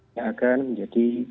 yang akan menjadi